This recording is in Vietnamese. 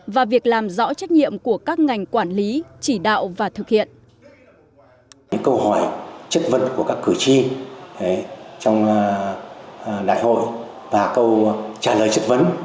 và việc làm rõ trách nhiệm của các ngành quản lý chỉ đạo và thực hiện